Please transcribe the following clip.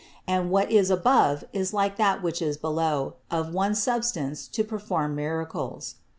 And what is above is like that which is below, of one substance to perform miracles.